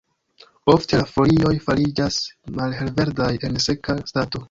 Ofte la folioj fariĝas malhelverdaj en seka stato.